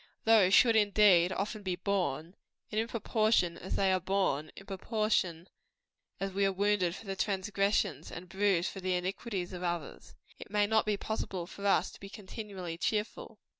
Those should, indeed, often be borne; and in proportion as they are borne in proportion as we are wounded for the transgressions, and bruised for the iniquities of others it may not be possible for us to be continually cheerful.